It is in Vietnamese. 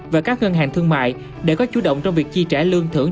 và các ngân hàng thương mại để có chú động trong việc chi trả lương thưởng